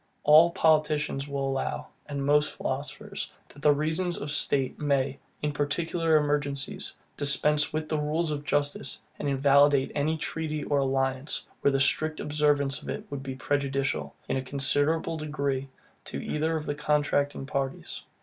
All politicians will allow, and most philosophers, that reasons of state may, in particular emergencies, dispense with the rules of justice, and invalidate any treaty or alliance, where the strict observance of it would be prejudicial, in a considerable degree, to either of the contracting parties.